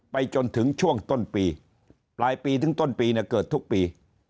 จนถึงช่วงต้นปีปลายปีถึงต้นปีเนี่ยเกิดทุกปี